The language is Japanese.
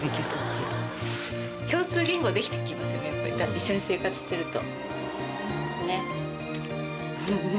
一緒に生活してると。